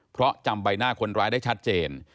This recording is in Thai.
เพราะจำใบหน้าคนร้ายได้ชัดเจน